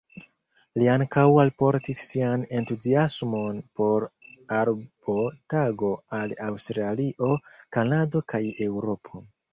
Li ankaŭ alportis sian entuziasmon por Arbo Tago al Aŭstralio, Kanado kaj Eŭropo.